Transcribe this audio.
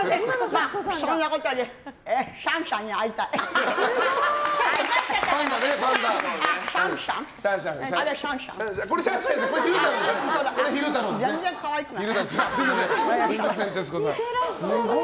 まあ、そんなことよりシャンシャンに会いたい。